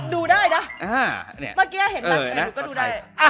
ดูได้นะเมื่อกี้เห็นลักษณ์ไหนก็ดูได้